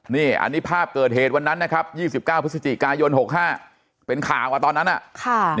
นี่อันนี้ภาพเกิดเหตุวันนั้นนะครับ๒๙พฤศจิกายน๖๕เป็นข่าวมาตอนนั้นน่ะ